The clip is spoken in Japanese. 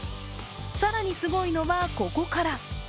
更にすごいのは、ここから。